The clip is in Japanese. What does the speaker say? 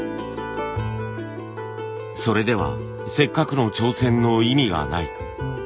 それではせっかくの挑戦の意味がない。